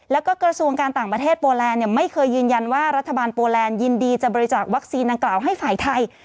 แล้วก็กระทรวงการต่างประเทศโปแลนด์ไม่เคยยืนยันว่ารัฐบาลโปแลนด์ยินดีจะบริจาควัคซีนดังกล่าวให้ฝ่ายไทย